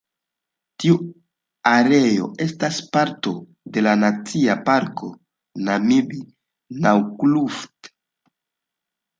Tiu areo estas parto de la Nacia Parko Namib-Naukluft.